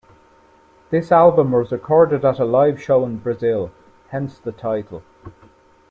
This album was recorded at a live show in Brazil, hence the title.